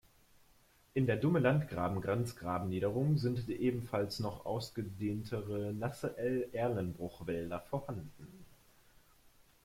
In der Dumme-Landgraben-Grenzgraben-Niederung sind ebenfalls noch ausgedehntere nasse Erlenbruchwälder vorhanden.